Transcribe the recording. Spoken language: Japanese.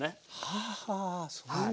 はあはあそういう。